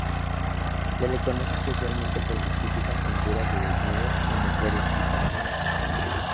Se le conoce especialmente por sus típicas pinturas de desnudos y mujeres gitanas.